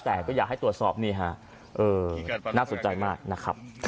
แต่ก็อยากให้ตรวจสอบนี่ฮะน่าสนใจมากนะครับ